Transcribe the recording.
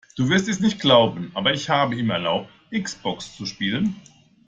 Du wirst es nicht glauben, aber ich habe ihm erlaubt, X-Box zu spielen.